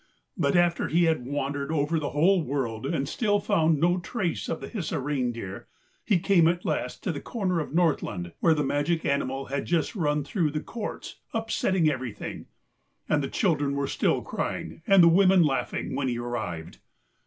But after he had wandered over the whole world and still had found no trace of the Hisi reindeer, he came at last to the corner of Northland where the magic animal had just run through the courts upsetting everything, and the children were still crying and the women laughing when he arrived.